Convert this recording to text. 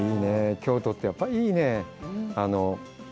京都ってやっぱりいいね。